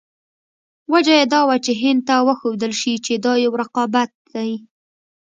وجه یې دا وه چې هند ته وښودل شي چې دا یو رقابت دی.